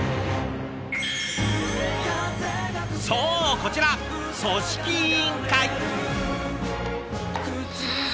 こちら組織委員会。